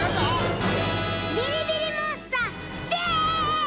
ビリビリモンスターです！